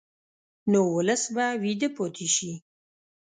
نو ولس به ویده پاتې شي.